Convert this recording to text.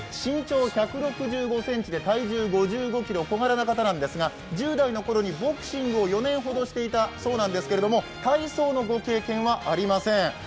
身長１５６ｃｍ、体重５５ｋｇと小柄な方なんですが１０代のころにボクシングを４年ほどしていたそうですが体操のご経験はありません。